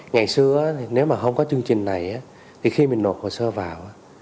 ngày xưa thì nếu mà không có chương trình này thì khi mình nộp hồ sơ vào